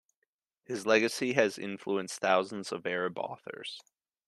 His legacy has influenced thousands of Arab authors.